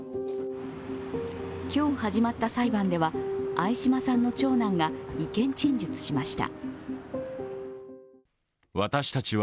今日始まった裁判では相嶋さんの長男が意見陳述しました。